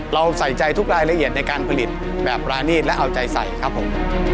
เราใส่ใจทุกรายละเอียดในการผลิตแบบรานีตและเอาใจใส่ครับผม